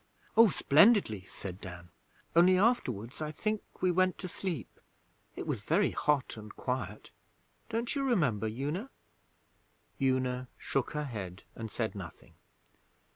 'Oh, splendidly,' said Dan. 'Only afterwards, I think, we went to sleep. it was very hot and quiet. Don't you remember, Una?' Una shook her head and said nothing.